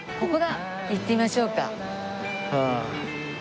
行ってみましょうか。